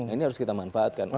ini harus kita manfaatkan